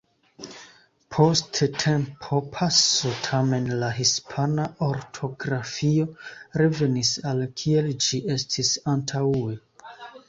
Post tempopaso, tamen, la hispana ortografio revenis al kiel ĝi estis antaŭe.